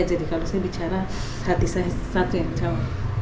jadi kalau saya bicara hati saya satu yang menjawab